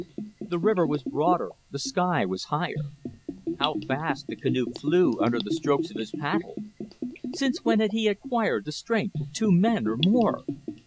The river was broader, the sky was higher. How fast the canoe flew under the strokes of his paddle! Since when had he acquired the strength of two men or more?